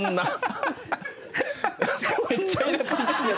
めっちゃイラついて。